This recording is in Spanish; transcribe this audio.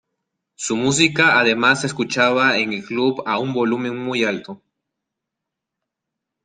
Su música, además, se escuchaba en el club a un volumen muy alto.